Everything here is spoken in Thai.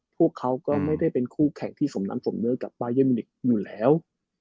พวกเขาก็ไม่ได้เป็นคู่แข่งที่สมน้ำสมเนื้อกับปาเยมิวนิกอยู่แล้ว